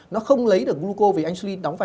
nó không lấy được gluco vì insulin đóng phải